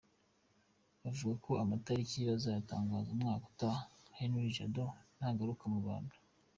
Bavuga ko amatariki bazayatangaza umwaka utaha, Henri Jado nagaruka mu Rwanda.